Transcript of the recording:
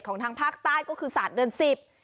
ทางภาคใต้ก็คือศาสตร์เดือนสิบ